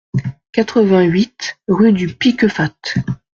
quatre-vingt-huit rue du Piquefate